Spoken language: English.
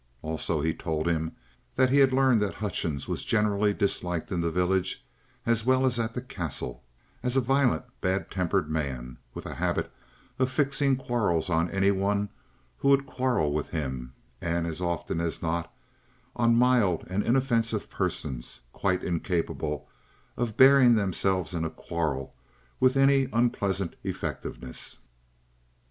Also, he told him that he had learned that Hutchings was generally disliked in the village as well as at the Castle, as a violent, bad tempered man, with a habit of fixing quarrels on any one who would quarrel with him, and as often as not on mild and inoffensive persons, quite incapable of bearing themselves in a quarrel with any unpleasant effectiveness.